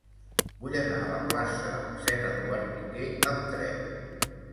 Vull anar a la plaça de Mossèn Eduard Piquer amb tren.